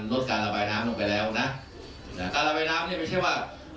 ลดการระบายน้ำลงไปแล้วนะการระบายน้ำเนี่ยไม่ใช่ว่า